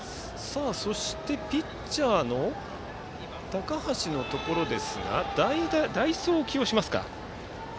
ピッチャーの高橋のところですが代走を起用しますか。